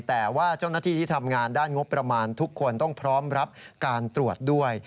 แต่ว่าเจ้าหน้าที่ที่ทำงานด้านงบประมาณทุกคนต้องพร้อมรับการตรวจด้วย